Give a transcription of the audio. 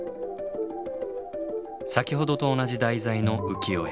先ほどと同じ題材の浮世絵。